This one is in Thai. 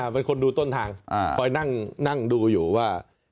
เป็นคนดูต้นทางคอยนั่งดูอยู่ว่า